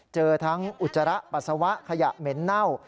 เจอทั้งอุจจาระปัสสาวะขยะเหม็นเน่า